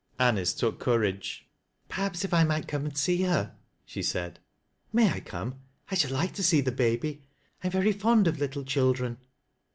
Anice took courage. " Perhaps if I might come and see her," she said " May I come ? I should like tc see the baby. I am verj Efjnd of little children."